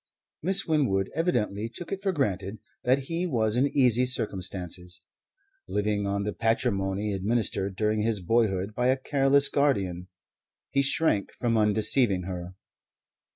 Miss Winwood evidently took it for granted that he was in easy circumstances, living on the patrimony administered during his boyhood by a careless guardian. He shrank from undeceiving her.